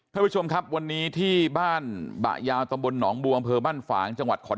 คุณผู้ชมครับวันนี้ที่บ้านบะยาวตำบลหนองบวงเผอร์มั่นฝาน